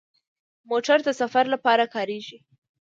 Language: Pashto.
موټر د سفر لپاره کارېږي.